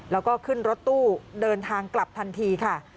แล้วก็ขึ้นรถตู้เดินทางกลับทันทีค่ะ